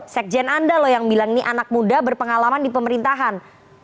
sekjen anda loh yang bilang ini anak muda berpengalaman di pemerintahan